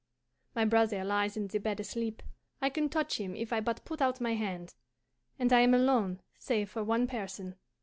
My brother lies in the bed asleep; I can touch him if I but put out my hand, and I am alone save for one person.